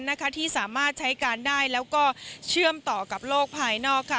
เท่านั้นที่สามารถใช้การได้แล้วก็เชื่อมต่อกับโลกภายนอก